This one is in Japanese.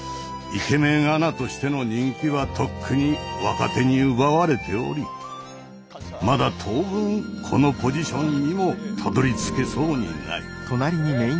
イケメンアナとしての人気はとっくに若手に奪われておりまだ当分このポジションにもたどりつけそうにない。